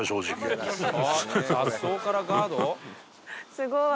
すごい。